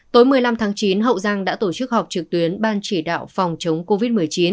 tối một mươi năm tháng chín hậu giang đã tổ chức họp trực tuyến ban chỉ đạo phòng chống covid một mươi chín